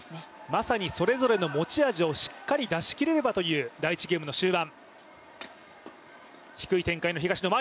まさにそれぞれの持ち味をしっかり出し切れればという第１ゲームの終盤。